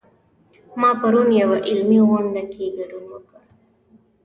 ما پرون یوه علمي غونډه کې ګډون وکړ